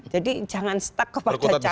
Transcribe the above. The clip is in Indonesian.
jadi jangan stuck kepada cara ngomong gitu